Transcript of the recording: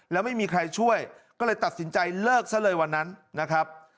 แล้วไม่มีใครช่วยก็เลยตัดสินใจเลิกซะเลยวันนั้นนะครับ